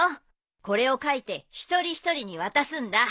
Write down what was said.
これを書いて一人一人に渡すんだ。